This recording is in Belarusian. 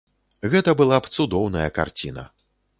Гэта была б цудоўная карціна.